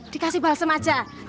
dikasih balsam aja